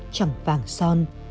trẳng vàng son